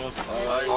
はい。